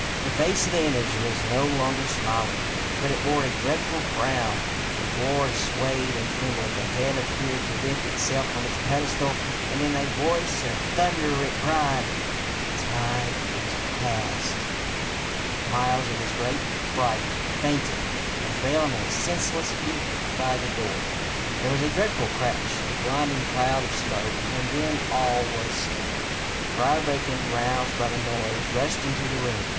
The face of the image was no longer smiling, but it bore a dreadful frown. The floor swayed and trembled. The head appeared to lift itself from its pedestal, and in a voice of thunder it cried, —" Time is past !" 8o THIRTY MORE FAMOUS STORIES Miles in his great fright fainted and fell in a senseless heap by the door. There was a dreadful crash, a blinding cloud of smoke, and then all was still. Friar Bacon, roused by the noise, rushed into the room.